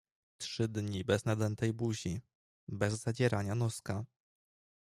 Trzy dni bez nadętej buzi, bez zadzierania noska.